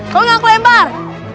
kalau gak aku lempar